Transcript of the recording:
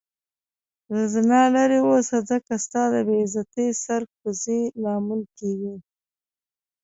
له زنا لرې اوسه ځکه ستا د بی عزتي سر کوزي لامل کيږې